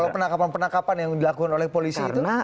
kalau penangkapan penangkapan yang dilakukan oleh polisi itu